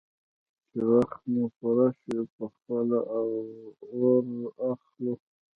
_چې وخت مو پوره شو، په خپله اور اخلو.